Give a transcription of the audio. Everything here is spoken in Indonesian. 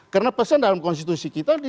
karena pesan dalam konstitusi kita